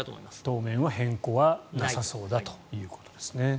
当面は変更はなさそうだということですね。